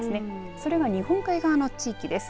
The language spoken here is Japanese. それが日本海側の地域です。